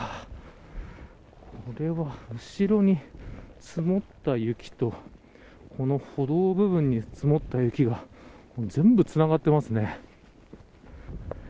これは後ろに積もった雪と歩道部分に積もった雪が全部つながっていますね。